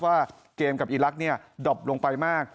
ว่าเกมกับอีลักษณ์ดอบลงไปมาก